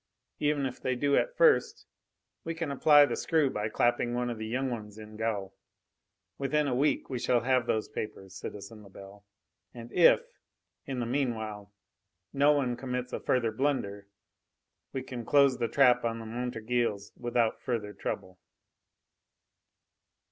Even if they do at first, we can apply the screw by clapping one of the young ones in gaol. Within a week we shall have those papers, citizen Lebel; and if, in the meanwhile, no one commits a further blunder, we can close the trap on the Montorgueils without further trouble."